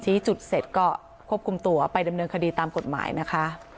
จุดเสร็จก็ควบคุมตัวไปดำเนินคดีตามกฎหมายนะคะ